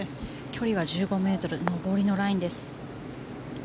距離は１５ｍ上りのラインです。